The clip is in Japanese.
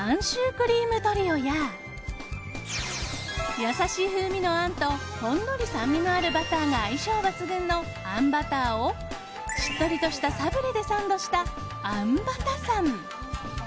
くりーむトリオや優しい風味のあんとほんのり酸味のあるバターが相性抜群のあんバターをしっとりとしたサブレでサンドした、あんバタサン。